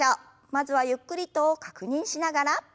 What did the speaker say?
まずはゆっくりと確認しながら。